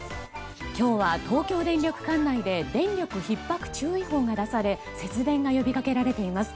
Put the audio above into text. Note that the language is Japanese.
今日は、東京電力管内で電力ひっ迫注意報が出され節電が呼びかけられています。